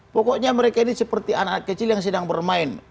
pokoknya mereka ini seperti anak anak kecil yang sedang bermain